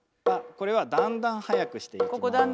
これはだんだん速くしていきます。